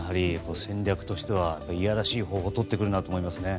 戦略としては、いやらしい方法をとってくるなと思いますね。